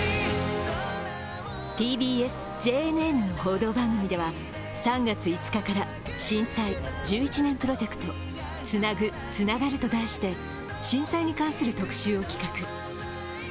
ＴＢＳ／ＪＮＮの報道番組では３月５日から震災１１年プロジェクト「つなぐ、つながる」と題して震災に関する特集を企画。